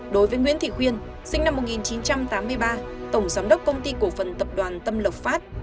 đối với nguyễn thị khuyên sinh năm một nghìn chín trăm tám mươi ba tổng giám đốc công ty cổ phần tập đoàn tâm lộc phát